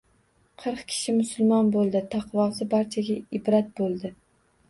Qirq kishi musulmon boʻldi, taqvosi barchaga ibrat boʻldi